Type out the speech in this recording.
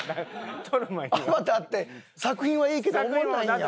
『アバター』って作品はいいけどおもんないんや。